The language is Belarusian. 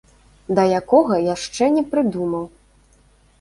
Да якога, яшчэ не прыдумаў.